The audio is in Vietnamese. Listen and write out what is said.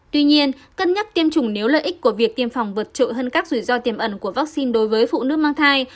tuy nhiên cân nhắc tiêm chủng nếu lợi ích của việc tiêm phòng vượt trội hơn các rủi ro tiềm ẩn của vaccine đối với phụ nữ mang thai